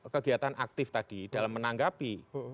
kegiatan aktif tadi dalam menanggapi